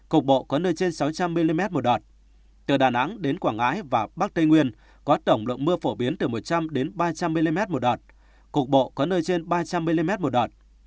cục bộ có nơi trên ba trăm linh mm một đợt